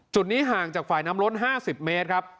นี้ห่างจากฝ่ายน้ำล้น๕๐เมตรครับ